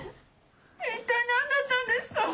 一体何だったんですか？